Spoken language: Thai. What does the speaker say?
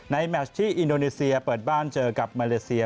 แมชที่อินโดนีเซียเปิดบ้านเจอกับมาเลเซีย